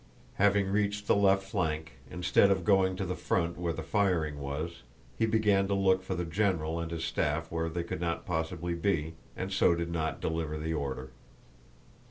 Having reached the left flank, instead of going to the front where the firing was, he began to look for the general and his staff where they could not possibly be, and so did not deliver the order.